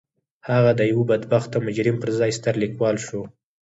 هغه د يوه بدبخته مجرم پر ځای ستر ليکوال شو.